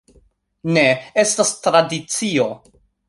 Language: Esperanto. Ne, estas tradicio...